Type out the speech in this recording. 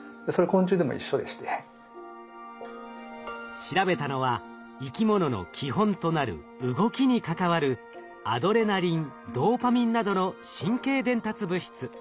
調べたのは生き物の基本となる「動き」に関わるアドレナリンドーパミンなどの神経伝達物質。